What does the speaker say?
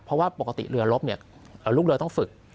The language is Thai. เพราะว่าปกติเรือลบลูกเรือต้องฝึก